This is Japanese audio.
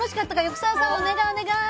お願い！